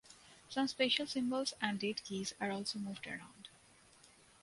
Some special symbols and dead keys are also moved around.